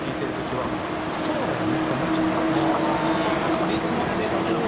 カリスマ性だねなんか。